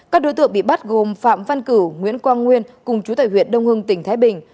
các đối tượng bị bắt gồm phạm văn cửu nguyễn quang nguyên cùng chú tại huyện đông hưng tỉnh thái bình